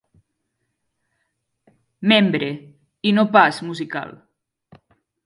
Membre, i no pas musical.